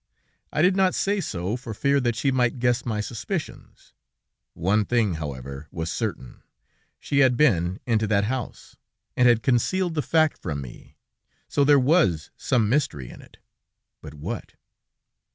I did not say so, for fear that she might guess my suspicions. One thing, however, was certain; she had been into that house, and had concealed the fact from me, so there was some mystery in it. But what?